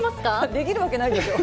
できるわけないでしょう。